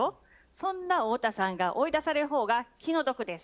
そんな太田さんが追い出される方が気の毒です。